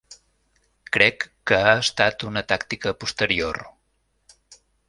Crec que ha estat una tàctica posterior.